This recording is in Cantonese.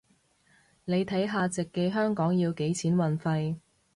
你睇下直寄香港要幾錢運費